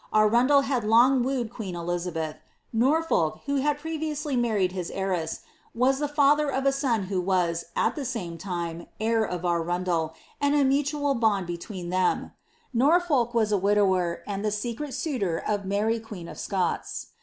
Arundel had long wooed queen Elizabeth ; Norfolk, who had previously married his heiress, was the father of a son, who was, at the same time, heir of .Arundel, and a mutual bond between them ; Norfolk was a widower, umJ the secret suitor of Mary queen of Scots.